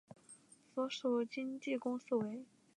所属经纪公司为。